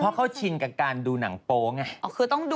เพราะเขาชินกับการดูหนังโป๊ไง